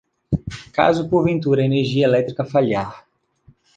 Caso, porventura, a energia elétrica falhar